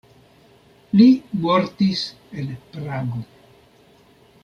Li mortis en Prago.